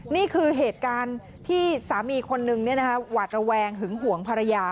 นี่คือเหตุการณ์ที่สามีคนนึงหวาดระแวงหึงห่วงภรรยา